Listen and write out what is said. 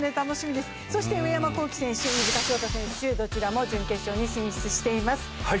上山紘輝選手、飯塚翔太選手どちらも準決勝に進出しています。